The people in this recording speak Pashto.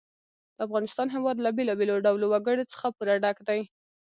د افغانستان هېواد له بېلابېلو ډولو وګړي څخه پوره ډک دی.